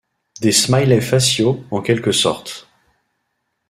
Des smileys faciaux, en quelque sorte.